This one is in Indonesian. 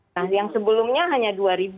nah yang sebelumnya hanya dua